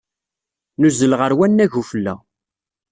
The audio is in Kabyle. Nuzzel ɣer wannag n ufella.